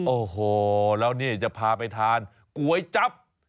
โอ้โหแล้วนี่จะพาไปทานก๋วยจับ